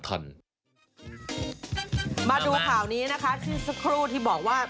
มาดูข่าวนี้นะคะที่สักครู่ที่บอกว่า